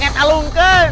iya you can grab it